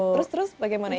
terus terus bagaimana ini